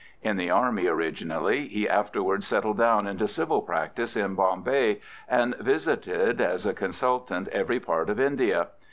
In the Army originally, he afterwards settled down into civil practice in Bombay, and visited as a consultant every part of India.